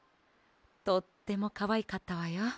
とってもかわいかったわよ。